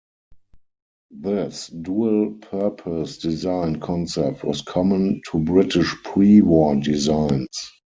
This dual-purpose design concept was common to British pre-war designs.